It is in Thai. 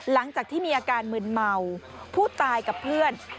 หลังจากที่มีอาการมึนเมาผู้ตายกับเพื่อน